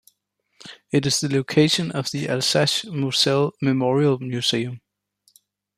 It is the location of the Alsace-Moselle Memorial museum.